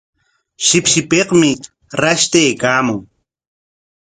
Shipshipikmi rashtaykaamun.